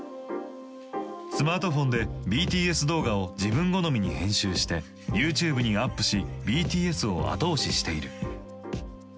スマートフォンでＢＴＳ動画を自分好みに編集してＹｏｕＴｕｂｅにアップしＢＴＳを後押ししている。